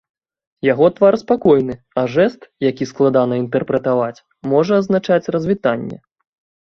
Яго твар спакойны, а жэст, які складана інтэрпрэтаваць, можа азначаць развітанне.